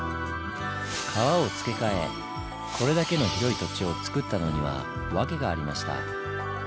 川を付けかえこれだけの広い土地をつくったのには訳がありました。